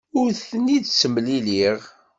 Ur ten-id-ttemliliɣ.